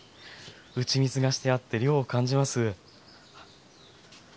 打ち水がしてあって涼を感じます。